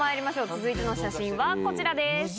続いての写真はこちらです。